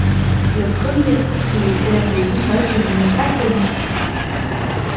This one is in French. Le premier propriétaire de l’immeuble n’est pas connu.